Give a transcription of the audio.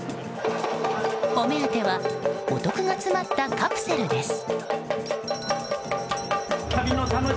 お目当てはお得が詰まったカプセルです。